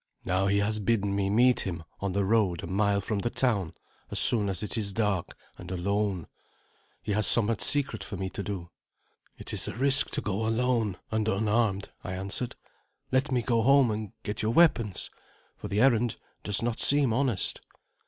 Now he has bidden me meet him on the road a mile from the town as soon as it is dark, and alone. He has somewhat secret for me to do." "It is a risk to go alone and unarmed," I answered; "let me go home and get your weapons, for the errand does not seem honest."